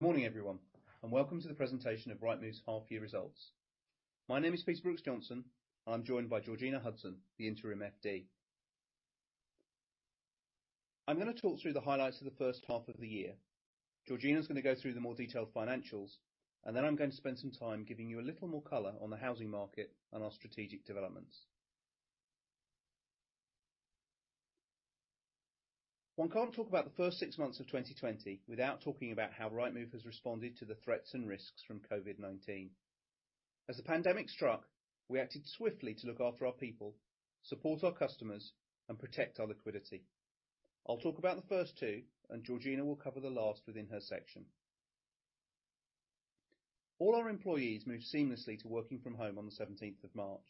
Morning everyone, welcome to the presentation of Rightmove's half year results. My name is Peter Brooks-Johnson, and I'm joined by Georgina Hudson, the Interim FD. I'm going to talk through the highlights of the first half of the year. Georgina's going to go through the more detailed financials, then I'm going to spend some time giving you a little more color on the housing market and our strategic developments. One can't talk about the first six months of 2020 without talking about how Rightmove has responded to the threats and risks from COVID-19. As the pandemic struck, we acted swiftly to look after our people, support our customers, and protect our liquidity. I'll talk about the first two, Georgina will cover the last within her section. All our employees moved seamlessly to working from home on the 17th of March.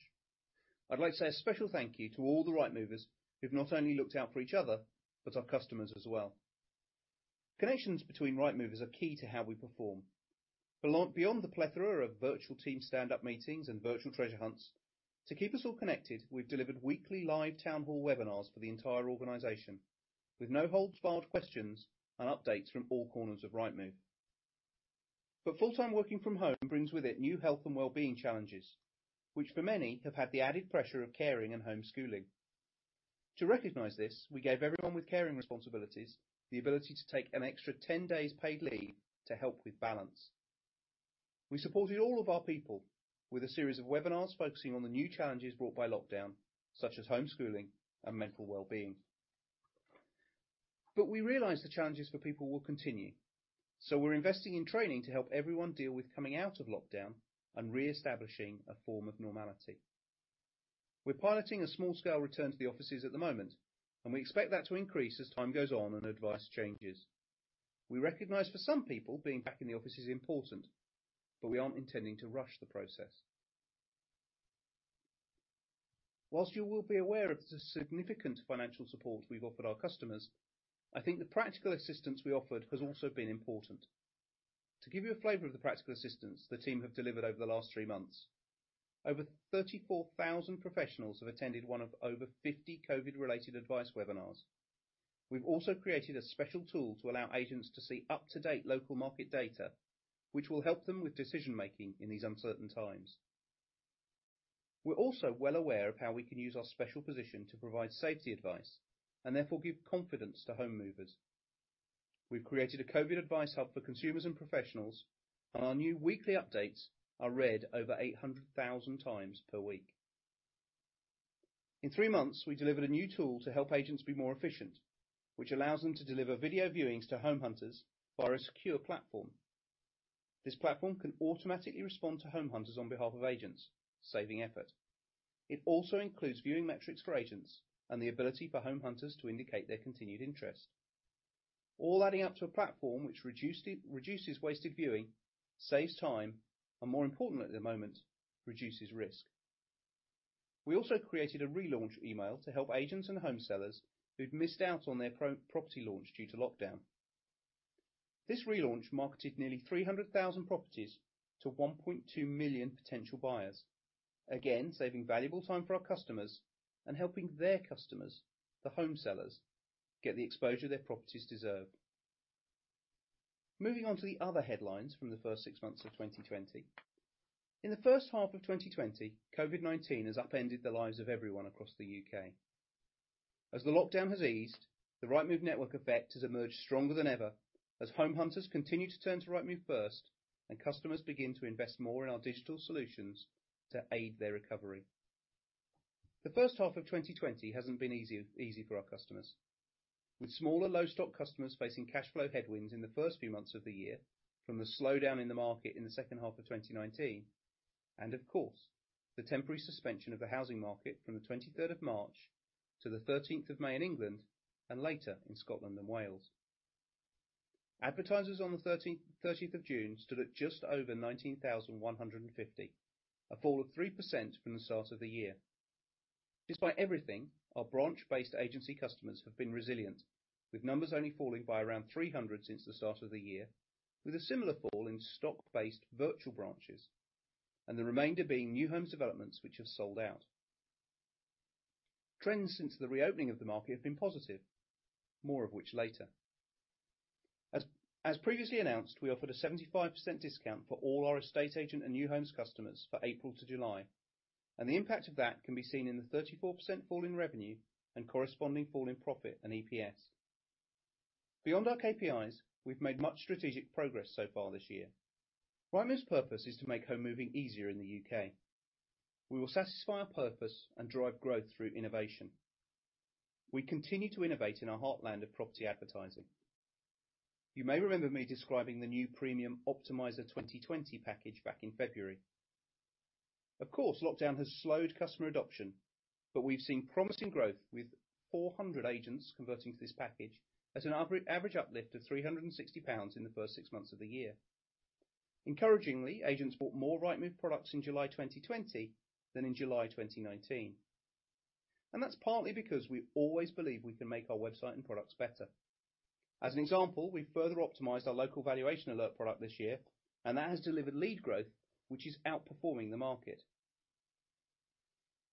I'd like to say a special thank you to all the Rightmovers who've not only looked out for each other, but our customers as well. Connections between Rightmovers are key to how we perform. Beyond the plethora of virtual team standup meetings and virtual treasure hunts, to keep us all connected, we've delivered weekly live town hall webinars for the entire organization, with no holds barred questions and updates from all corners of Rightmove. Full-time working from home brings with it new health and wellbeing challenges, which for many have had the added pressure of caring and homeschooling. To recognize this, we gave everyone with caring responsibilities the ability to take an extra 10 days paid leave to help with balance. We supported all of our people with a series of webinars focusing on the new challenges brought by lockdown, such as homeschooling and mental wellbeing. We realize the challenges for people will continue, so we're investing in training to help everyone deal with coming out of lockdown and reestablishing a form of normality. We're piloting a small-scale return to the offices at the moment, and we expect that to increase as time goes on and advice changes. We recognize for some people being back in the office is important, but we aren't intending to rush the process. While you will be aware of the significant financial support we've offered our customers, I think the practical assistance we offered has also been important. To give you a flavor of the practical assistance the team have delivered over the last three months, over 34,000 professionals have attended one of over 50 COVID-related advice webinars. We've also created a special tool to allow agents to see up to date local market data, which will help them with decision making in these uncertain times. We're also well aware of how we can use our special position to provide safety advice and therefore give confidence to home movers. We've created a COVID advice hub for consumers and professionals, and our new weekly updates are read over 800,000 times per week. In three months, we delivered a new tool to help agents be more efficient, which allows them to deliver video viewings to home hunters via a secure platform. This platform can automatically respond to home hunters on behalf of agents, saving effort. It also includes viewing metrics for agents and the ability for home hunters to indicate their continued interest, all adding up to a platform which reduces wasted viewing, saves time, and more importantly at the moment, reduces risk. We also created a relaunch email to help agents and home sellers who've missed out on their property launch due to lockdown. This relaunch marketed nearly 300,000 properties to 1.2 million potential buyers. Again, saving valuable time for our customers and helping their customers, the home sellers, get the exposure their properties deserve. Moving on to the other headlines from the first six months of 2020. In the first half of 2020, COVID-19 has upended the lives of everyone across the U.K. As the lockdown has eased, the Rightmove network effect has emerged stronger than ever as home hunters continue to turn to Rightmove first and customers begin to invest more in our digital solutions to aid their recovery. The first half of 2020 hasn't been easy for our customers. With smaller low stock customers facing cashflow headwinds in the first few months of the year from the slowdown in the market in the second half of 2019, and of course the temporary suspension of the housing market from the 23rd of March to the 13th of May in England, and later in Scotland and Wales. Advertisers on the 30th of June stood at just over 19,150, a fall of 3% from the start of the year. Despite everything, our branch based agency customers have been resilient with numbers only falling by around 300 since the start of the year with a similar fall in stock based virtual branches and the remainder being new homes developments which have sold out. Trends since the reopening of the market have been positive, more of which later. As previously announced, we offered a 75% discount for all our estate agent and new homes customers for April to July, and the impact of that can be seen in the 34% fall in revenue and corresponding fall in profit and EPS. Beyond our KPIs, we've made much strategic progress so far this year. Rightmove's purpose is to make home moving easier in the U.K. We will satisfy our purpose and drive growth through innovation. We continue to innovate in our heartland of property advertising. You may remember me describing the new premium Optimiser 2020 package back in February. Of course, lockdown has slowed customer adoption, but we've seen promising growth with 400 agents converting to this package at an average uplift of 360 pounds in the first six months of the year. Encouragingly, agents bought more Rightmove products in July 2020 than in July 2019. That's partly because we always believe we can make our website and products better. As an example, we further optimized our Local Valuation Alert product this year, and that has delivered lead growth which is outperforming the market.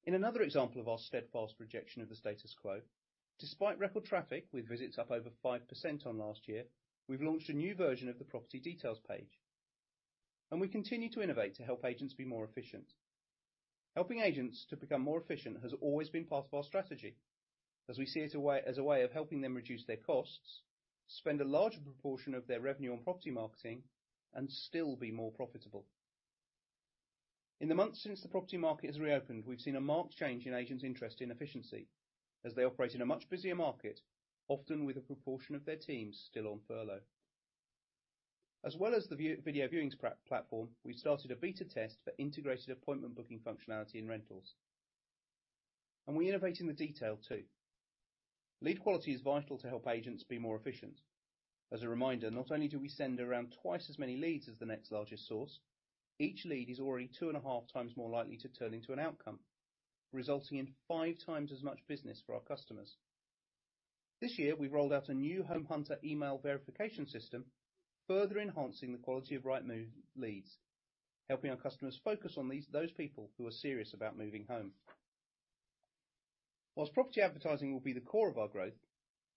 In another example of our steadfast rejection of the status quo, despite record traffic with visits up over 5% on last year, we've launched a new version of the property details page. We continue to innovate to help agents be more efficient. Helping agents to become more efficient has always been part of our strategy, as we see it as a way of helping them reduce their costs, spend a larger proportion of their revenue on property marketing, and still be more profitable. In the months since the property market has reopened, we've seen a marked change in agents' interest in efficiency as they operate in a much busier market, often with a proportion of their teams still on furlough. As well as the video viewings platform, we started a beta test for integrated appointment booking functionality in rentals. We innovate in the detail too. Lead quality is vital to help agents be more efficient. As a reminder, not only do we send around twice as many leads as the next largest source, each lead is already two and a half times more likely to turn into an outcome, resulting in five times as much business for our customers. This year, we've rolled out a new home hunter email verification system, further enhancing the quality of Rightmove leads, helping our customers focus on those people who are serious about moving home. While property advertising will be the core of our growth,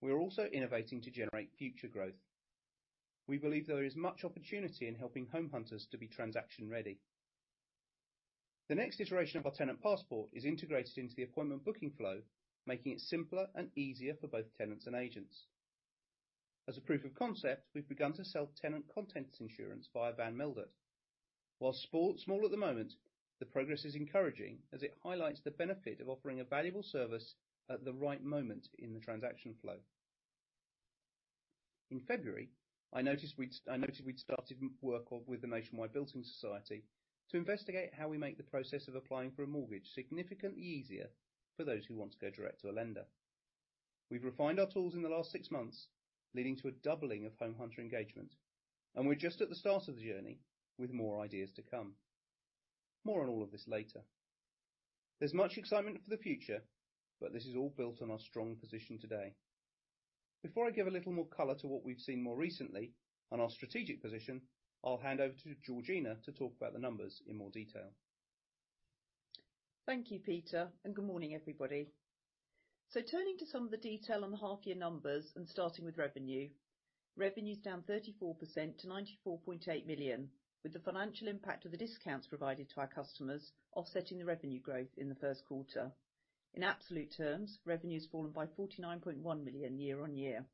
we are also innovating to generate future growth. We believe there is much opportunity in helping home hunters to be transaction ready. The next iteration of our Tenant Passport is integrated into the appointment booking flow, making it simpler and easier for both tenants and agents. As a proof of concept, we've begun to sell tenant contents insurance via Van Mildert. While small at the moment, the progress is encouraging as it highlights the benefit of offering a valuable service at the right moment in the transaction flow. In February, I noticed we'd started work with the Nationwide Building Society to investigate how we make the process of applying for a mortgage significantly easier for those who want to go direct to a lender. We've refined our tools in the last six months, leading to a doubling of home hunter engagement, and we're just at the start of the journey with more ideas to come. More on all of this later. There's much excitement for the future, but this is all built on our strong position today. Before I give a little more color to what we've seen more recently on our strategic position, I'll hand over to Georgina to talk about the numbers in more detail. Thank you, Peter, and good morning, everybody. Turning to some of the detail on the half year numbers and starting with revenue. Revenue is down 34% to 94.8 million, with the financial impact of the discounts provided to our customers offsetting the revenue growth in the first quarter. In absolute terms, revenue has fallen by 49.1 million year-on-year.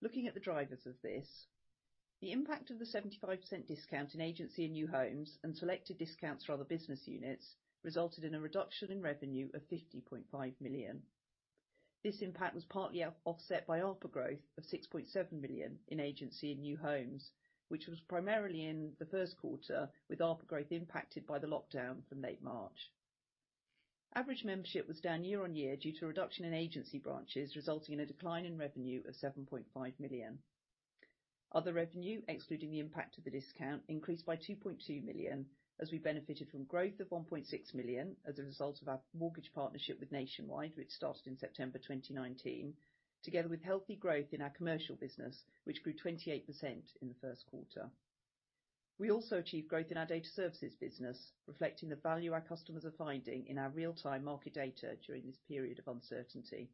Looking at the drivers of this, the impact of the 75% discount in agency and new homes and selected discounts for other business units resulted in a reduction in revenue of 50.5 million. This impact was partly offset by ARPA growth of 6.7 million in agency and new homes, which was primarily in the first quarter, with ARPA growth impacted by the lockdown from late March. Average membership was down year-on-year due to a reduction in agency branches, resulting in a decline in revenue of 7.5 million. Other revenue, excluding the impact of the discount, increased by 2.2 million as we benefited from growth of 1.6 million as a result of our mortgage partnership with Nationwide, which started in September 2019, together with healthy growth in our commercial business, which grew 28% in the first quarter. We also achieved growth in our data services business, reflecting the value our customers are finding in our real-time market data during this period of uncertainty.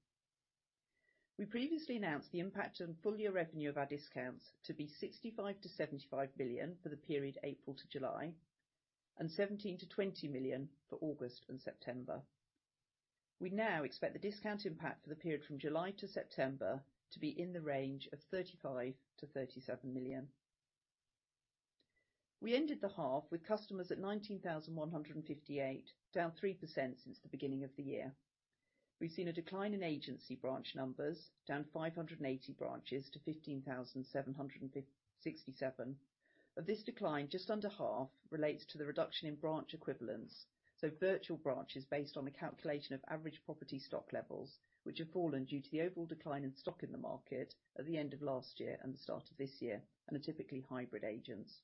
We previously announced the impact on full-year revenue of our discounts to be 65 million-75 million for the period April to July and 17 million-20 million for August and September. We now expect the discount impact for the period from July to September to be in the range of 35 million-37 million. We ended the half with customers at 19,158, down 3% since the beginning of the year. We've seen a decline in agency branch numbers down 580 branches to 15,767. Of this decline, just under half relates to the reduction in branch equivalents, so virtual branches based on a calculation of average property stock levels, which have fallen due to the overall decline in stock in the market at the end of last year and the start of this year, and are typically hybrid agents.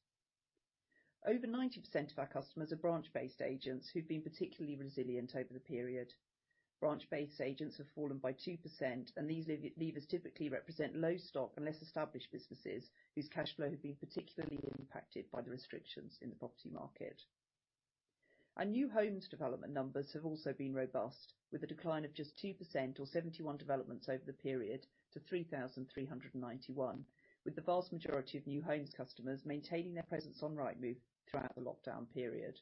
Over 90% of our customers are branch-based agents who've been particularly resilient over the period. Branch-based agents have fallen by 2%, and these leavers typically represent low stock and less established businesses whose cash flow had been particularly impacted by the restrictions in the property market. Our new homes development numbers have also been robust, with a decline of just 2% or 71 developments over the period to 3,391, with the vast majority of new homes customers maintaining their presence on Rightmove throughout the lockdown period.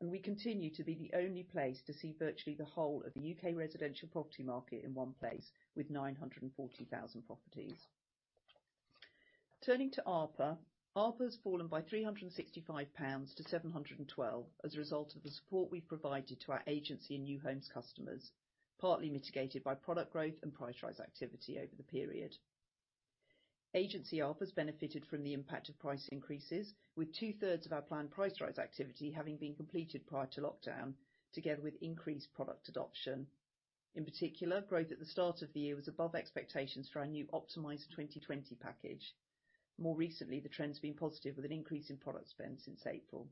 We continue to be the only place to see virtually the whole of the U.K. residential property market in one place with 940,000 properties. Turning to ARPA has fallen by 365 pounds to 712 as a result of the support we provided to our agency and new homes customers, partly mitigated by product growth and price rise activity over the period. Agency ARPA has benefited from the impact of price increases, with 2/3 of our planned price rise activity having been completed prior to lockdown, together with increased product adoption. In particular, growth at the start of the year was above expectations for our new Optimiser 2020 package. More recently, the trend's been positive with an increase in product spend since April.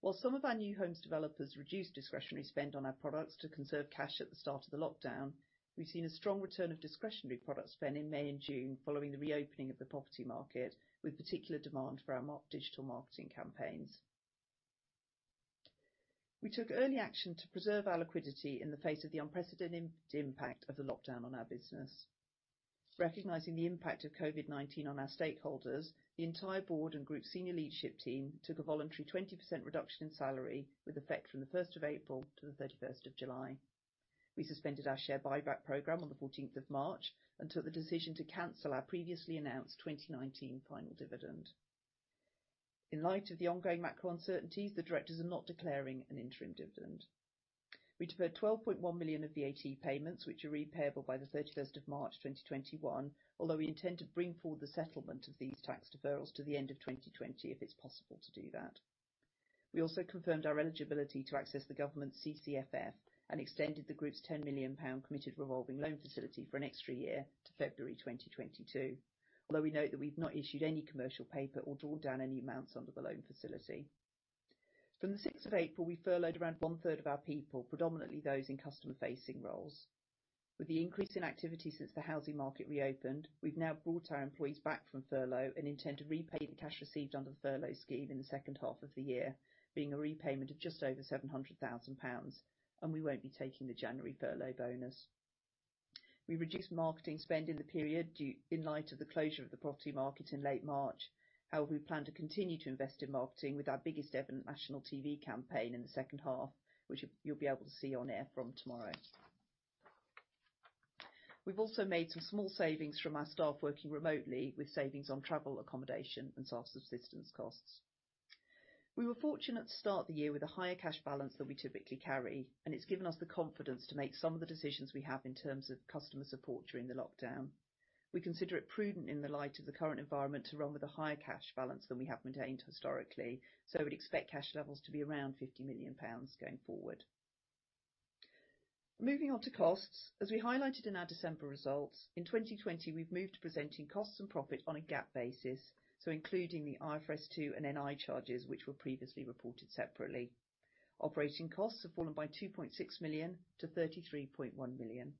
While some of our new homes developers reduced discretionary spend on our products to conserve cash at the start of the lockdown, we've seen a strong return of discretionary product spend in May and June following the reopening of the property market, with particular demand for our digital marketing campaigns. We took early action to preserve our liquidity in the face of the unprecedented impact of the lockdown on our business. Recognizing the impact of COVID-19 on our stakeholders, the entire board and group senior leadership team took a voluntary 20% reduction in salary with effect from the 1st of April to the 31st of July. We suspended our share buyback program on the 14th of March and took the decision to cancel our previously announced 2019 final dividend. In light of the ongoing macro uncertainties, the directors are not declaring an interim dividend. We deferred 12.1 million of VAT payments, which are repayable by the 31st of March 2021, although we intend to bring forward the settlement of these tax deferrals to the end of 2020, if it's possible to do that. We also confirmed our eligibility to access the government's CCFF and extended the group's 10 million pound committed revolving loan facility for an extra year to February 2022. We note that we've not issued any commercial paper or drawn down any amounts under the loan facility. From the 6th of April, we furloughed around 1/3 of our people, predominantly those in customer facing roles. With the increase in activity since the housing market reopened, we've now brought our employees back from furlough and intend to repay the cash received under the furlough scheme in the second half of the year, being a repayment of just over 700,000 pounds. We won't be taking the January furlough bonus. We reduced marketing spend in the period in light of the closure of the property market in late March. We plan to continue to invest in marketing with our biggest ever national TV campaign in the second half, which you'll be able to see on air from tomorrow. We've also made some small savings from our staff working remotely with savings on travel accommodation and self-subsistence costs. We were fortunate to start the year with a higher cash balance than we typically carry, and it's given us the confidence to make some of the decisions we have in terms of customer support during the lockdown. We consider it prudent in the light of the current environment to run with a higher cash balance than we have maintained historically, so we'd expect cash levels to be around 50 million pounds going forward. Moving on to costs. As we highlighted in our December results, in 2020, we've moved to presenting costs and profit on a GAAP basis, so including the IFRS 2 and NI charges, which were previously reported separately. Operating costs have fallen by 2.6 million to 33.1 million.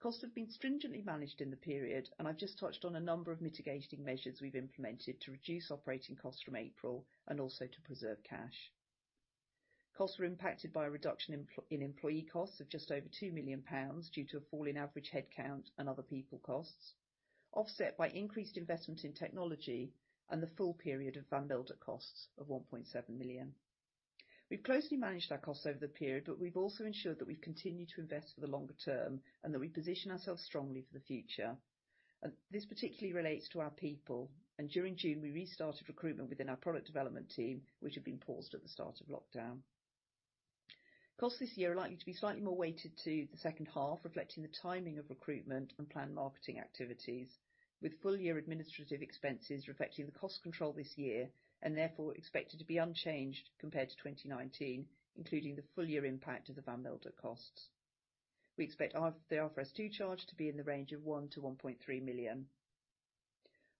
Costs have been stringently managed in the period, I've just touched on a number of mitigating measures we've implemented to reduce operating costs from April and also to preserve cash. Costs were impacted by a reduction in employee costs of just over 2 million pounds due to a fall in average headcount and other people costs, offset by increased investment in technology and the full period of Van Mildert costs of 1.7 million. We've closely managed our costs over the period, we've also ensured that we've continued to invest for the longer term and that we position ourselves strongly for the future. This particularly relates to our people, during June, we restarted recruitment within our product development team, which had been paused at the start of lockdown. Costs this year are likely to be slightly more weighted to the second half, reflecting the timing of recruitment and planned marketing activities, with full year administrative expenses reflecting the cost control this year and therefore expected to be unchanged compared to 2019, including the full year impact of the Van Mildert costs. We expect the IFRS 2 charge to be in the range of 1 million-1.3 million.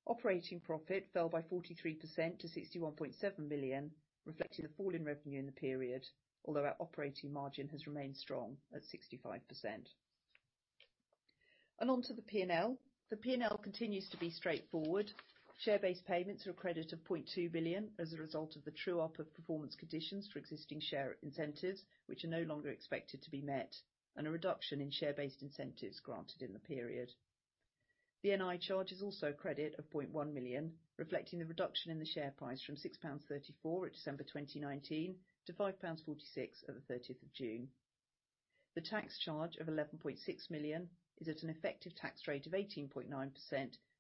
Operating profit fell by 43% to 61.7 million, reflecting the fall in revenue in the period. Although our operating margin has remained strong at 65%. On to the P&L. The P&L continues to be straightforward. Share-based payments are a credit of 0.2 million as a result of the true up of performance conditions for existing share incentives, which are no longer expected to be met, and a reduction in share-based incentives granted in the period. The NI charge is also a credit of 0.1 million, reflecting the reduction in the share price from 6.34 pounds at December 2019 to 5.46 pounds at the 30th of June. The tax charge of 11.6 million is at an effective tax rate of 18.9%,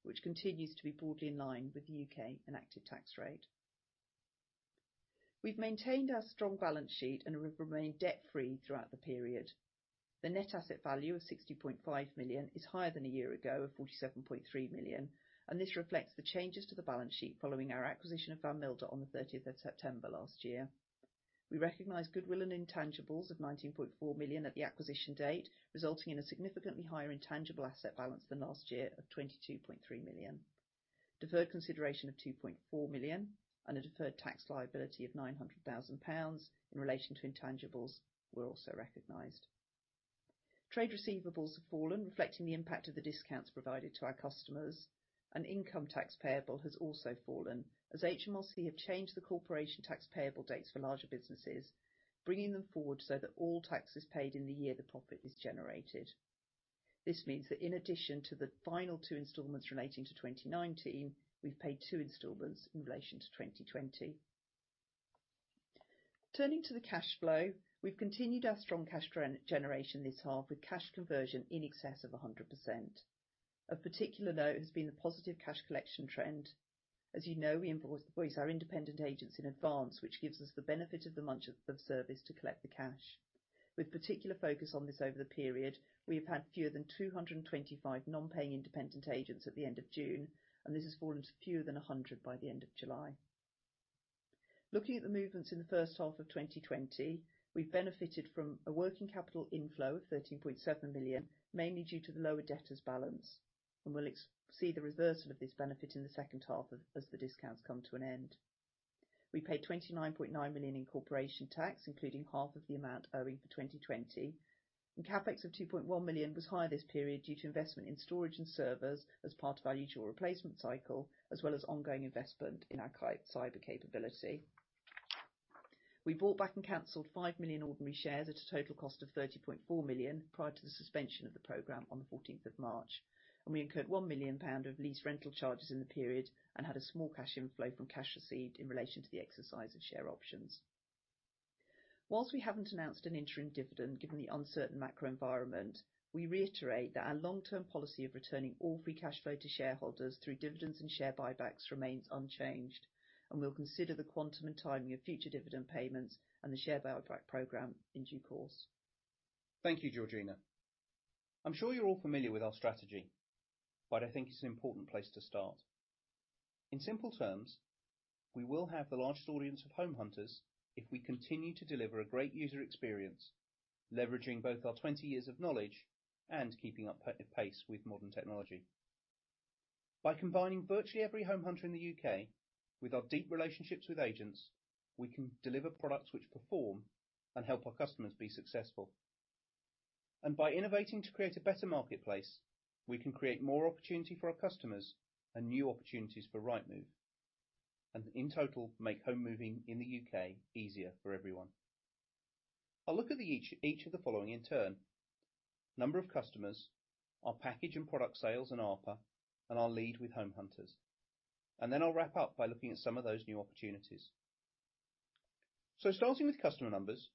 which continues to be broadly in line with the U.K. enacted tax rate. We've maintained our strong balance sheet and have remained debt free throughout the period. The net asset value of 60.5 million is higher than a year ago of 47.3 million. This reflects the changes to the balance sheet following our acquisition of Van Mildert on the 30th of September last year. We recognized goodwill and intangibles of 19.4 million at the acquisition date, resulting in a significantly higher intangible asset balance than last year of 22.3 million. Deferred consideration of 2.4 million and a deferred tax liability of 900,000 pounds in relation to intangibles were also recognized. Trade receivables have fallen, reflecting the impact of the discounts provided to our customers. Income tax payable has also fallen as HMRC have changed the corporation tax payable dates for larger businesses, bringing them forward so that all tax is paid in the year the profit is generated. This means that in addition to the final two installments relating to 2019, we've paid two installments in relation to 2020. Turning to the cash flow, we've continued our strong cash generation this half with cash conversion in excess of 100%. Of particular note has been the positive cash collection trend. As you know, we invoice our independent agents in advance, which gives us the benefit of the month of service to collect the cash. With particular focus on this over the period, we have had fewer than 225 non-paying independent agents at the end of June, and this has fallen to fewer than 100 by the end of July. Looking at the movements in the first half of 2020, we've benefited from a working capital inflow of 13.7 million, mainly due to the lower debtors balance, and we'll see the reversal of this benefit in the second half as the discounts come to an end. We paid 29.9 million in corporation tax, including half of the amount owing for 2020. CapEx of 2.1 million was higher this period due to investment in storage and servers as part of our usual replacement cycle, as well as ongoing investment in our cyber capability. We bought back and canceled 5 million ordinary shares at a total cost of 30.4 million prior to the suspension of the program on the 14th of March, and we incurred 1 million pound of lease rental charges in the period and had a small cash inflow from cash received in relation to the exercise of share options. Whilst we haven't announced an interim dividend, given the uncertain macro environment, we reiterate that our long-term policy of returning all free cash flow to shareholders through dividends and share buybacks remains unchanged, and we'll consider the quantum and timing of future dividend payments and the share buyback program in due course. Thank you, Georgina. I'm sure you're all familiar with our strategy, but I think it's an important place to start. In simple terms, we will have the largest audience of home hunters if we continue to deliver a great user experience, leveraging both our 20 years of knowledge and keeping up pace with modern technology. By combining virtually every home hunter in the U.K. with our deep relationships with agents, we can deliver products which perform and help our customers be successful. By innovating to create a better marketplace, we can create more opportunity for our customers and new opportunities for Rightmove, and in total, make home moving in the U.K. easier for everyone. I'll look at each of the following in turn. Number of customers, our package and product sales and ARPA, and our lead with home hunters. I'll wrap up by looking at some of those new opportunities. Starting with customer numbers,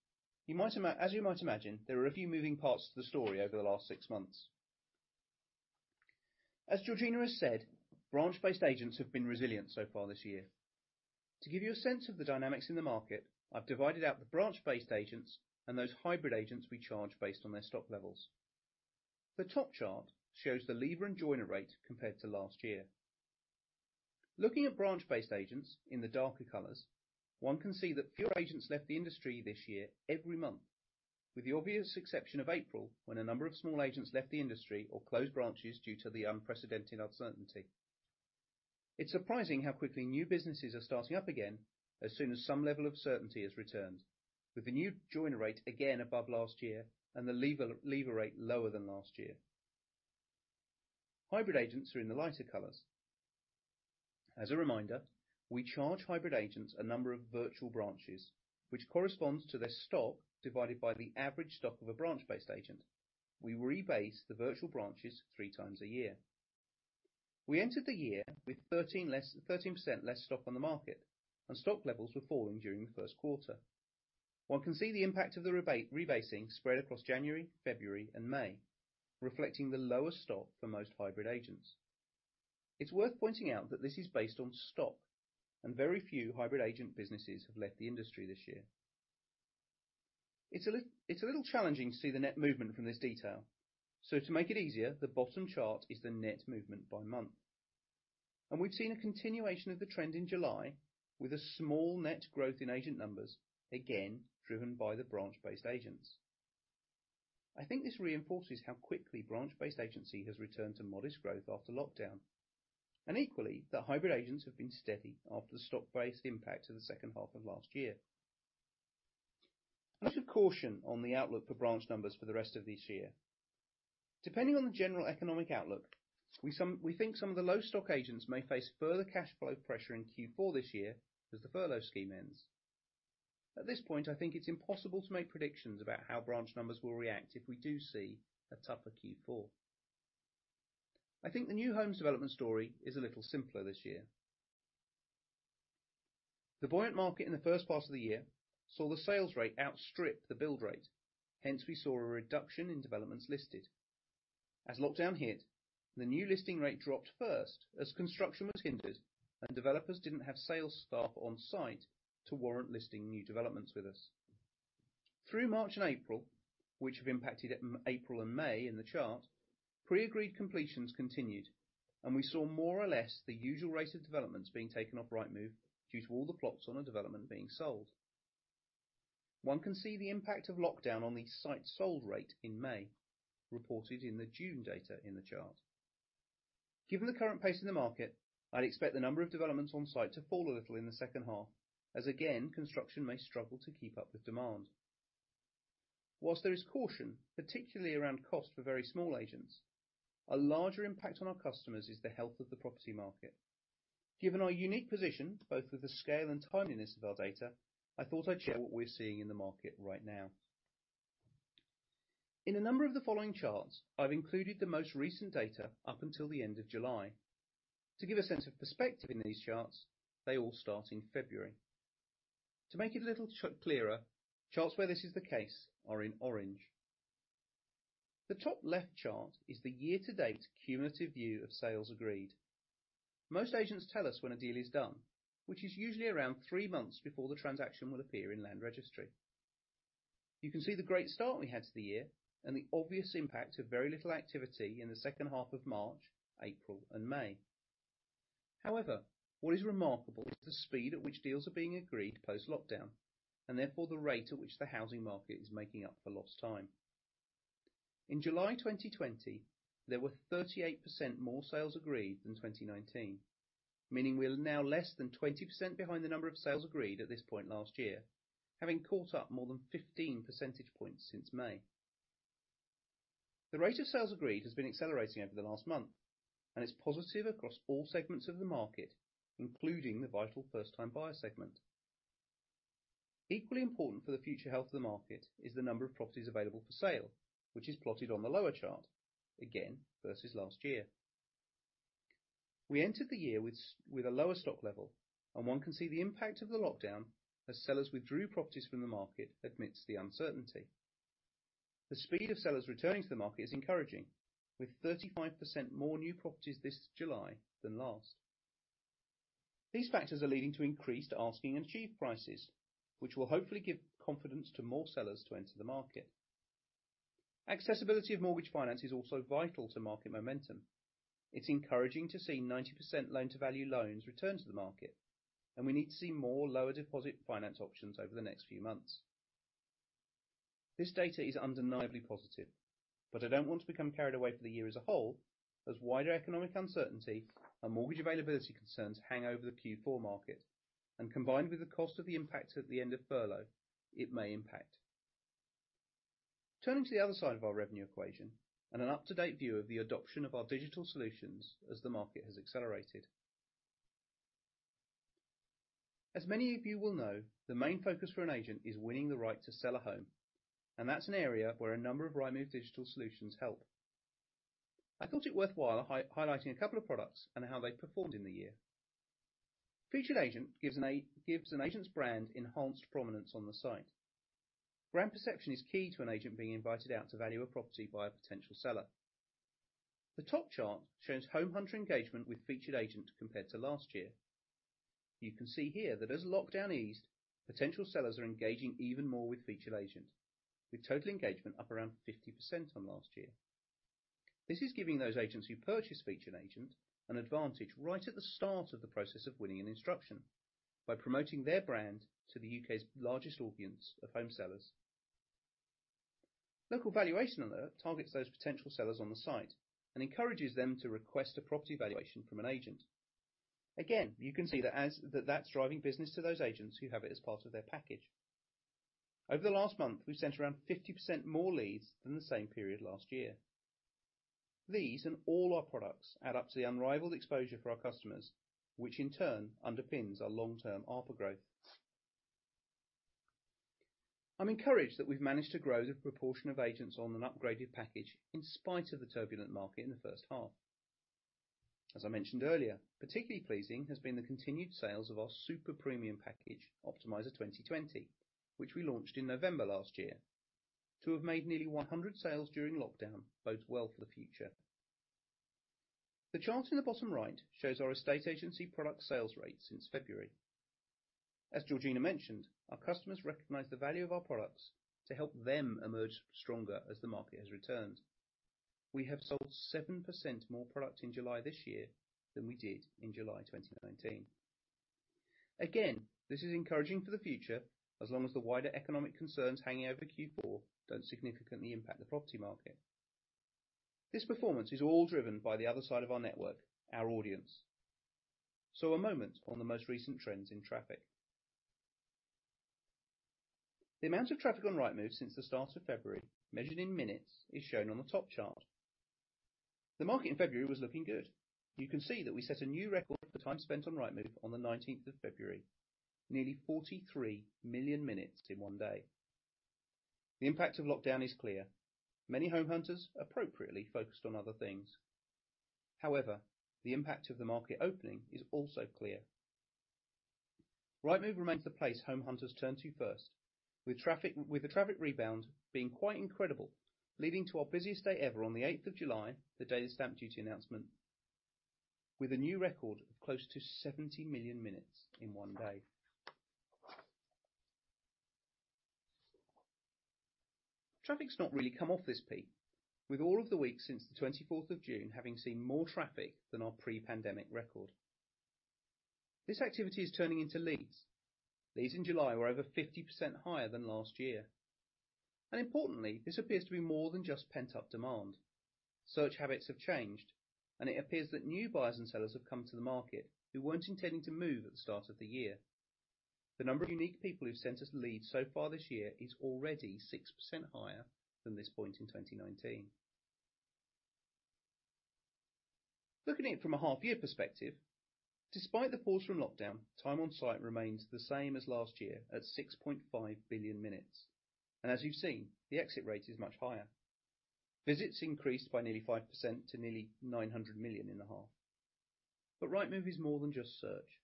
as you might imagine, there are a few moving parts to the story over the last six months. As Georgina has said, branch-based agents have been resilient so far this year. To give you a sense of the dynamics in the market, I've divided out the branch-based agents and those hybrid agents we charge based on their stock levels. The top chart shows the leaver and joiner rate compared to last year. Looking at branch-based agents in the darker colors, one can see that fewer agents left the industry this year every month, with the obvious exception of April, when a number of small agents left the industry or closed branches due to the unprecedented uncertainty. It's surprising how quickly new businesses are starting up again as soon as some level of certainty has returned, with the new joiner rate again above last year and the leaver rate lower than last year. Hybrid agents are in the lighter colors. As a reminder, we charge hybrid agents a number of virtual branches, which corresponds to their stock divided by the average stock of a branch-based agent. We rebase the virtual branches three times a year. We entered the year with 13% less stock on the market, and stock levels were falling during the first quarter. One can see the impact of the rebasing spread across January, February, and May, reflecting the lowest stock for most hybrid agents. It's worth pointing out that this is based on stock, and very few hybrid agent businesses have left the industry this year. It's a little challenging to see the net movement from this detail. To make it easier, the bottom chart is the net movement by month. We've seen a continuation of the trend in July with a small net growth in agent numbers, again, driven by the branch-based agents. I think this reinforces how quickly branch-based agency has returned to modest growth after lockdown, and equally, that hybrid agents have been steady after the stock-based impact of the second half of last year. A note of caution on the outlook for branch numbers for the rest of this year. Depending on the general economic outlook, we think some of the low stock agents may face further cash flow pressure in Q4 this year as the furlough scheme ends. At this point, I think it's impossible to make predictions about how branch numbers will react if we do see a tougher Q4. I think the new homes development story is a little simpler this year. The buoyant market in the first part of the year saw the sales rate outstrip the build rate. Hence, we saw a reduction in developments listed. As lockdown hit, the new listing rate dropped first as construction was hindered and developers didn't have sales staff on-site to warrant listing new developments with us. Through March and April, which have impacted April and May in the chart, pre-agreed completions continued, and we saw more or less the usual rate of developments being taken off Rightmove due to all the plots on a development being sold. One can see the impact of lockdown on the site sold rate in May, reported in the June data in the chart. Given the current pace of the market, I'd expect the number of developments on site to fall a little in the second half, as again, construction may struggle to keep up with demand. Whilst there is caution, particularly around cost for very small agents, a larger impact on our customers is the health of the property market. Given our unique position, both with the scale and timeliness of our data, I thought I'd share what we're seeing in the market right now. In a number of the following charts, I've included the most recent data up until the end of July. To give a sense of perspective in these charts, they all start in February. To make it a little clearer, charts where this is the case are in orange. The top left chart is the year-to-date cumulative view of sales agreed. Most agents tell us when a deal is done, which is usually around three months before the transaction will appear in Land Registry. You can see the great start we had to the year and the obvious impact of very little activity in the second half of March, April, and May. However, what is remarkable is the speed at which deals are being agreed post-lockdown, and therefore the rate at which the housing market is making up for lost time. In July 2020, there were 38% more sales agreed than 2019. Meaning we're now less than 20% behind the number of sales agreed at this point last year, having caught up more than 15 percentage points since May. The rate of sales agreed has been accelerating over the last month, and it's positive across all segments of the market, including the vital first-time buyer segment. Equally important for the future health of the market is the number of properties available for sale, which is plotted on the lower chart, again, versus last year. We entered the year with a lower stock level, and one can see the impact of the lockdown as sellers withdrew properties from the market amidst the uncertainty. The speed of sellers returning to the market is encouraging, with 35% more new properties this July than last. These factors are leading to increased asking and achieved prices, which will hopefully give confidence to more sellers to enter the market. Accessibility of mortgage finance is also vital to market momentum. It's encouraging to see 90% loan-to-value loans return to the market, and we need to see more lower deposit finance options over the next few months. This data is undeniably positive, but I don't want to become carried away for the year as a whole, as wider economic uncertainty and mortgage availability concerns hang over the Q4 market, and combined with the cost of the impact at the end of furlough, it may impact. Turning to the other side of our revenue equation and an up-to-date view of the adoption of our digital solutions as the market has accelerated. As many of you will know, the main focus for an agent is winning the right to sell a home, and that's an area where a number of Rightmove digital solutions help. I thought it worthwhile highlighting a couple of products and how they've performed in the year. Featured Agent gives an agent's brand enhanced prominence on the site. Brand perception is key to an agent being invited out to value a property by a potential seller. The top chart shows home hunter engagement with Featured Agent compared to last year. You can see here that as lockdown eased, potential sellers are engaging even more with Featured Agent, with total engagement up around 50% on last year. This is giving those agents who purchase Featured Agent an advantage right at the start of the process of winning an instruction by promoting their brand to the U.K.'s largest audience of home sellers. Local Valuation Alert targets those potential sellers on the site and encourages them to request a property valuation from an agent. Again, you can see that that's driving business to those agents who have it as part of their package. Over the last month, we've sent around 50% more leads than the same period last year. These and all our products add up to the unrivaled exposure for our customers, which in turn underpins our long-term output growth. I'm encouraged that we've managed to grow the proportion of agents on an upgraded package in spite of the turbulent market in the first half. As I mentioned earlier, particularly pleasing has been the continued sales of our super premium package, Optimiser 2020, which we launched in November last year. To have made nearly 100 sales during lockdown bodes well for the future. The chart in the bottom right shows our estate agency product sales rate since February. As Georgina mentioned, our customers recognize the value of our products to help them emerge stronger as the market has returned. We have sold 7% more product in July this year than we did in July 2019. This is encouraging for the future as long as the wider economic concerns hanging over Q4 don't significantly impact the property market. This performance is all driven by the other side of our network, our audience. A moment on the most recent trends in traffic. The amount of traffic on Rightmove since the start of February, measured in minutes, is shown on the top chart. The market in February was looking good. You can see that we set a new record for time spent on Rightmove on the 19th of February, nearly 43 million minutes in one day. The impact of lockdown is clear. Many home hunters appropriately focused on other things. The impact of the market opening is also clear. Rightmove remains the place home hunters turn to first, with the traffic rebound being quite incredible, leading to our busiest day ever on the 8th of July, the day of the stamp duty announcement, with a new record of close to 70 million minutes in one day. Traffic's not really come off this peak, with all of the weeks since the 24th of June having seen more traffic than our pre-pandemic record. This activity is turning into leads. Leads in July were over 50% higher than last year. Importantly, this appears to be more than just pent-up demand. Search habits have changed, and it appears that new buyers and sellers have come to the market who weren't intending to move at the start of the year. The number of unique people who've sent us leads so far this year is already 6% higher than this point in 2019. Looking at it from a half-year perspective, despite the fall from lockdown, time on site remains the same as last year at 6.5 billion minutes. As you've seen, the exit rate is much higher. Visits increased by nearly 5% to nearly 900 million in the half. Rightmove is more than just search.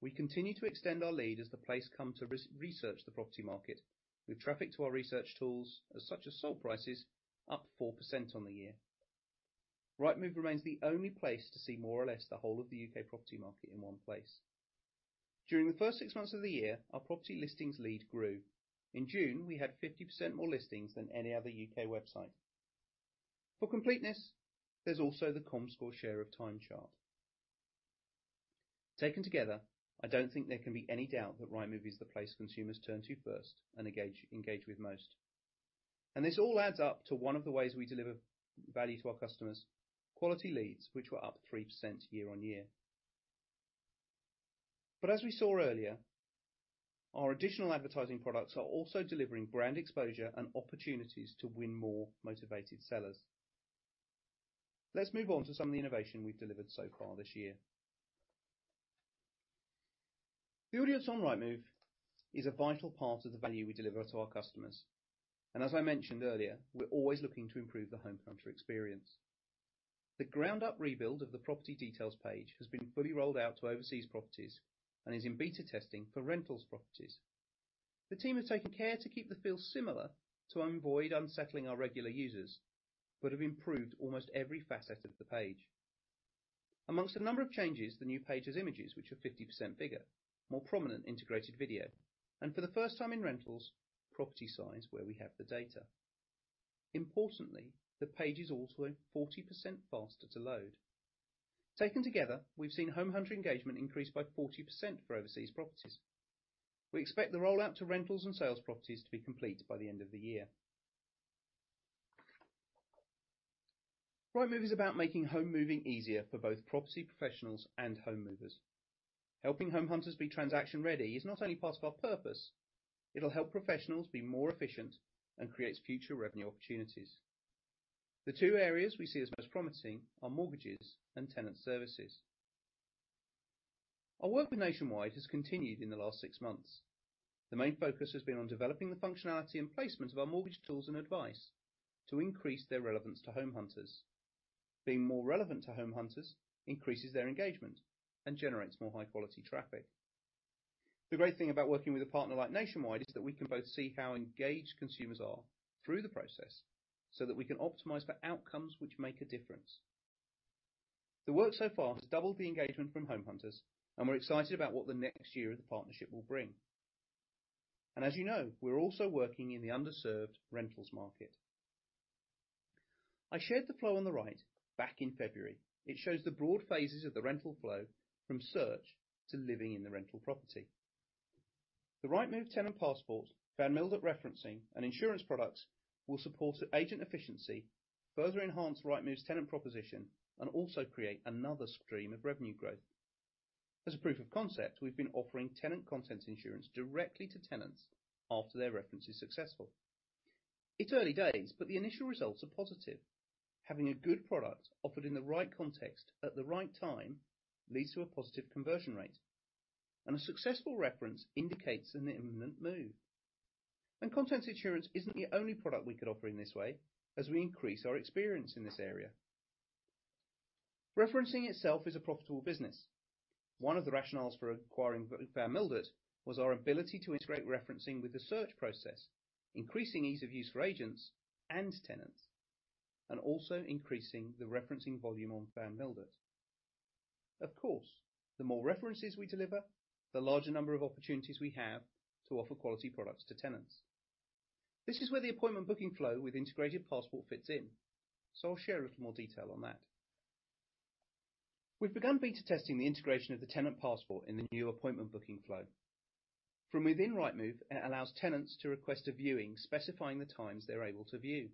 We continue to extend our lead as the place come to research the property market with traffic to our research tools, such as sold prices, up 4% on the year. Rightmove remains the only place to see more or less the whole of the U.K. property market in one place. During the first six months of the year, our property listings lead grew. In June, we had 50% more listings than any other U.K. website. For completeness, there's also the Comscore share of time chart. Taken together, I don't think there can be any doubt that Rightmove is the place consumers turn to first and engage with most. This all adds up to one of the ways we deliver value to our customers, quality leads, which were up 3% year-on-year. As we saw earlier, our additional advertising products are also delivering brand exposure and opportunities to win more motivated sellers. Let's move on to some of the innovation we've delivered so far this year. The audience on Rightmove is a vital part of the value we deliver to our customers, and as I mentioned earlier, we're always looking to improve the home hunter experience. The ground-up rebuild of the property details page has been fully rolled out to overseas properties and is in beta testing for rentals properties. The team has taken care to keep the feel similar to avoid unsettling our regular users but have improved almost every facet of the page. Amongst a number of changes, the new page has images which are 50% bigger, more prominent integrated video, and for the first time in rentals, property size where we have the data. Importantly, the page is also 40% faster to load. Taken together, we've seen home hunter engagement increase by 40% for overseas properties. We expect the rollout to rentals and sales properties to be complete by the end of the year. Rightmove is about making home moving easier for both property professionals and home movers. Helping home hunters be transaction-ready is not only part of our purpose, it'll help professionals be more efficient and creates future revenue opportunities. The two areas we see as most promising are mortgages and tenant services. Our work with Nationwide has continued in the last six months. The main focus has been on developing the functionality and placement of our mortgage tools and advice to increase their relevance to home hunters. Being more relevant to home hunters increases their engagement and generates more high-quality traffic. The great thing about working with a partner like Nationwide is that we can both see how engaged consumers are through the process so that we can optimize for outcomes which make a difference. The work so far has doubled the engagement from home hunters. We're excited about what the next year of the partnership will bring. As you know, we're also working in the underserved rentals market. I shared the flow on the right back in February. It shows the broad phases of the rental flow from search to living in the rental property. The Rightmove Tenant Passport, Van Mildert Referencing, and insurance products will support agent efficiency, further enhance Rightmove's tenant proposition, and also create another stream of revenue growth. As a proof of concept, we've been offering tenant contents insurance directly to tenants after their reference is successful. It's early days, but the initial results are positive. Having a good product offered in the right context at the right time leads to a positive conversion rate, and a successful reference indicates an imminent move. Contents insurance isn't the only product we could offer in this way as we increase our experience in this area. Referencing itself is a profitable business. One of the rationales for acquiring Van Mildert was our ability to integrate referencing with the search process, increasing ease of use for agents and tenants, and also increasing the referencing volume on Van Mildert. Of course, the more references we deliver, the larger number of opportunities we have to offer quality products to tenants. This is where the Appointment Booking Flow with integrated Passport fits in. I'll share a little more detail on that. We've begun beta testing the integration of the Tenant Passport in the new Appointment Booking Flow. From within Rightmove, it allows tenants to request a viewing specifying the times they're able to view.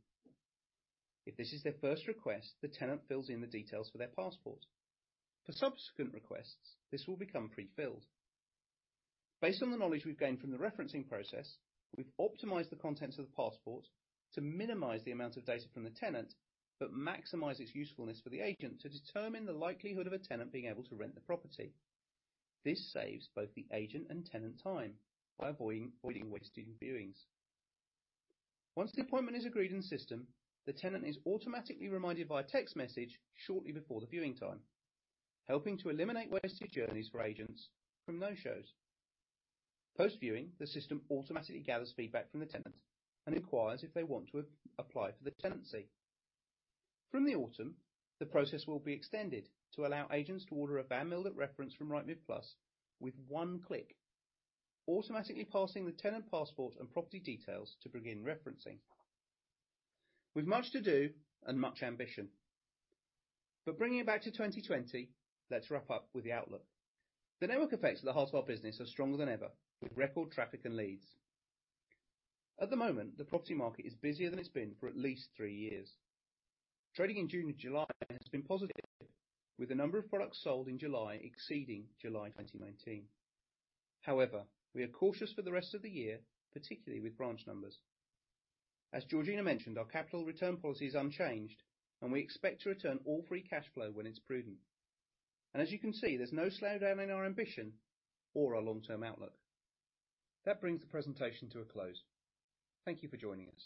If this is their first request, the tenant fills in the details for their Passport. For subsequent requests, this will become pre-filled. Based on the knowledge we've gained from the referencing process, we've optimized the contents of the Passport to minimize the amount of data from the tenant, but maximize its usefulness for the agent to determine the likelihood of a tenant being able to rent the property. This saves both the agent and tenant time by avoiding wasted viewings. Once the appointment is agreed in the system, the tenant is automatically reminded via text message shortly before the viewing time, helping to eliminate wasted journeys for agents from no-shows. Post-viewing, the system automatically gathers feedback from the tenant and inquires if they want to apply for the tenancy. From the autumn, the process will be extended to allow agents to order a Van Mildert Referencing from Rightmove Plus with one click, automatically passing the Rightmove Tenant Passport and property details to begin referencing. We've much to do and much ambition. Bringing it back to 2020, let's wrap up with the outlook. The network effects of the whole of our business are stronger than ever, with record traffic and leads. At the moment, the property market is busier than it's been for at least three years. Trading in June and July has been positive, with the number of products sold in July exceeding July 2019. However, we are cautious for the rest of the year, particularly with branch numbers. As Georgina mentioned, our capital return policy is unchanged, and we expect to return all free cash flow when it's prudent. As you can see, there's no slowdown in our ambition or our long-term outlook. That brings the presentation to a close. Thank you for joining us.